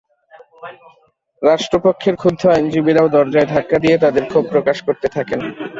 রাষ্ট্রপক্ষের ক্ষুব্ধ আইনজীবীরাও দরজায় ধাক্কা দিয়ে তাঁদের ক্ষোভ প্রকাশ করতে থাকেন।